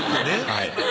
はい